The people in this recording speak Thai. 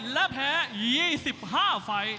และแพ้๒๕ไฟล์